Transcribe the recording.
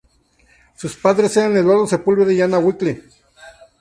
Sus padres eran Eduardo Sepúlveda y Ana Whittle.